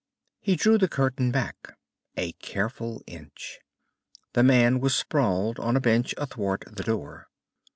He drew the curtain back, a careful inch. The man was sprawled on a bench athwart the door.